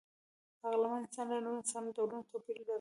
عقلمن انسانان له نورو انساني ډولونو توپیر درلود.